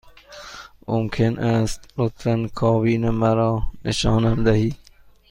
ممکن است لطفاً کابین مرا نشانم دهید؟